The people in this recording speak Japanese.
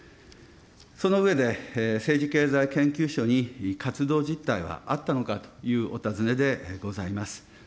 その上で政治経済研究所に活動実態はあったのかというお尋ねでございます。